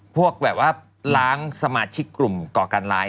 พวกแบบว่าล้างสมาชิกกลุ่มก่อการร้าย